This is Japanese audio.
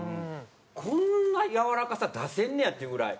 こんなやわらかさ出せんねやっていうぐらい。